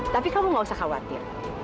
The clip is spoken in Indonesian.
tapi kamu gak usah khawatir